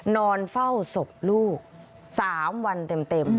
นอนเฝ้าศพลูก๓วันเต็ม